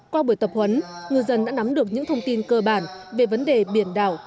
qua buổi tập huấn ngư dân đã nắm được những thông tin cơ bản về vấn đề biển đảo